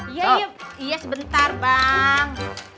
iya iya sebentar bang